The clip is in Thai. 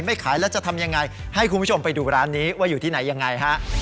ไม่ขายแล้วจะทำยังไงให้คุณผู้ชมไปดูร้านนี้ว่าอยู่ที่ไหนยังไงฮะ